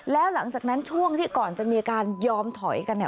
แล้วหลังจากนั้นช่วงที่ก่อนจะมีการยอมถอยกันเนี่ย